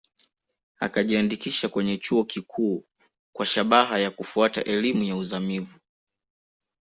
Akajiandikisha kwenye chuo kikuu kwa shabaha ya kufuata elimu ya uzamivu